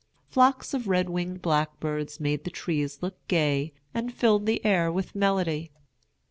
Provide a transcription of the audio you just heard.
Flocks of red winged blackbirds made the trees look gay, and filled the air with melody.